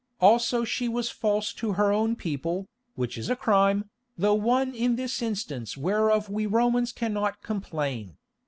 Also she was false to her own people, which is a crime, though one in this instance whereof we Romans cannot complain.